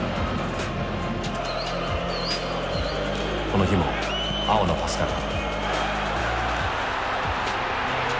この日も碧のパスから。